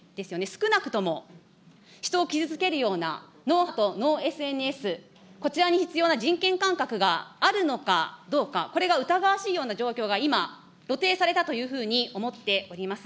少なくとも、人を傷つけるような、ＮｏｈｅａｒｔＮｏＳＮＳ、こちらに必要な人権感覚があるのかどうか、これが疑わしいような状況が今、露呈されたというふうに思っております。